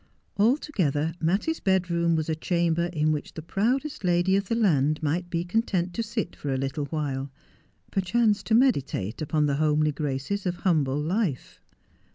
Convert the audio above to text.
Altogether Mattie's bedroom was a chamber in which the proudest lady of the land might be content to sit for a little while— perchance to meditate upon the homely graces of humble life.